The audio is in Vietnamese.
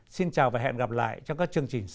xin chào và hẹn gặp lại trong các chương trình sau